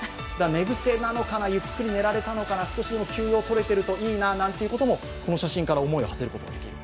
寝癖なのかなゆっくり寝られているのかな、少しでも休養がとれていればいいなとこの写真から思いを馳せることができる。